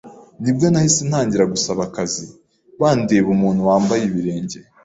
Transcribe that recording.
nibwo nahise ntangira gusaba akazi bandeba umuntu wambaye ibirenge